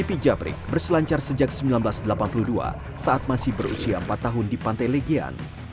mimpi japrik berselancar sejak seribu sembilan ratus delapan puluh dua saat masih berusia empat tahun di pantai legian